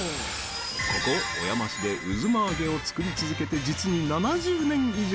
ここ小山市で、うづまあげを作り続けて実に７０年以上。